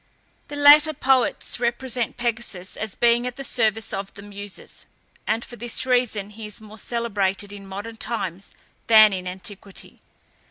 The later poets represent Pegasus as being at the service of the Muses, and for this reason he is more celebrated in modern times than in antiquity.